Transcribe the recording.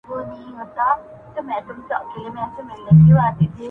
طرز دې د زلفو د هر خم بدل دے